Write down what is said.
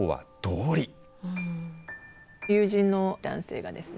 友人の男性がですね